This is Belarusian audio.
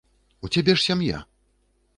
У цябе ж сям'я!